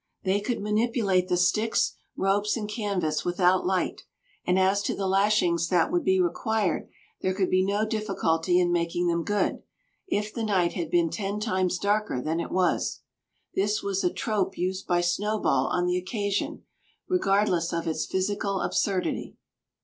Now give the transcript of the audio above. They could manipulate the "sticks," ropes, and canvas without light; and as to the lashings that would be required, there could be no difficulty in making them good, if the night had been ten times darker than it was. This was a trope used by Snowball on the occasion, regardless of its physical absurdity.